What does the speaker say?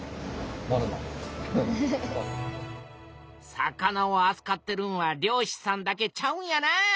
魚をあつかってるんは漁師さんだけちゃうんやな。